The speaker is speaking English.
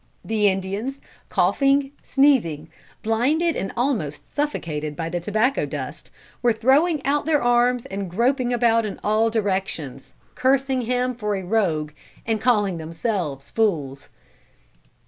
The Indians coughing, sneezing, blinded and almost suffocated by the tobacco dust, were throwing out their arms and groping about in all directions, cursing him for a rogue and calling themselves fools."